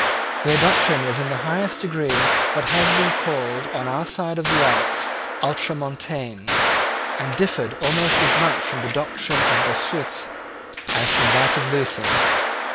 Their doctrine was in the highest degree what has been called on our side of the Alps Ultramontane, and differed almost as much from the doctrine of Bossuet as from that of Luther.